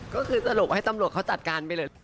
ก็คือสรุปให้ตำรวจเขาจัดการไปเลย